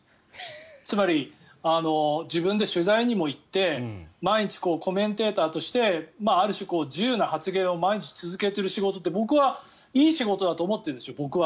つまり自分で取材にも行って毎日、コメンテーターとしてある種、自由な発言を毎日続けている仕事って僕はいい仕事だと思っているんですよ。